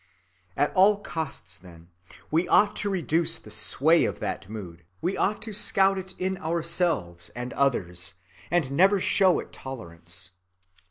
At all costs, then, we ought to reduce the sway of that mood; we ought to scout it in ourselves and others, and never show it tolerance.